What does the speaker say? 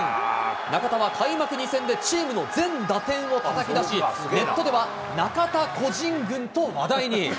中田は開幕２戦でチームの全打点をたたき出し、ネットでは中田巨人軍と話題に。